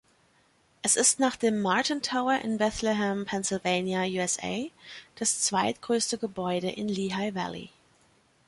Es ist nach dem Martin Tower in Bethlehem, Pennsylvania, USA, das zweitgrößte Gebäude in Lehigh Valley.